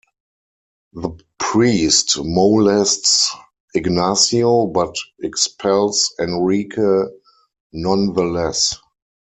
The priest molests Ignacio, but expels Enrique nonetheless.